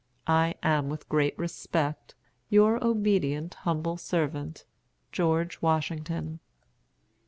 "I am, with great respect, "Your obedient, humble servant, "GEORGE WASHINGTON."